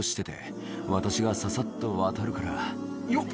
「私がササっと渡るからよっ」